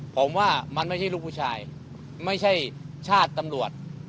ผมว่ามันไม่ใช่ลูกผู้ชายไม่ใช่ชาติตำรวจ